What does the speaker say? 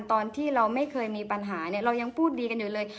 ตอนที่เราไม่เคยมีปัญหาเนี่ยเรายังพูดดีกันอยู่เลย